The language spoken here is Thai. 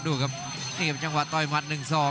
ดูครับนี่ครับจังหวะต่อยหมัด๑๒